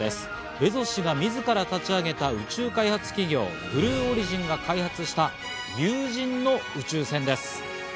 ベゾス氏が自ら立ち上げた宇宙開発企業・ブルーオリジンが開発した有人の宇宙船です。